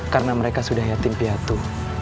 karena mereka sudah yatim piatu